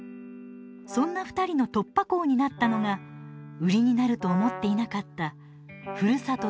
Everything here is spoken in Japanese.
そんな２人の突破口になったのが売りになると思っていなかったふるさと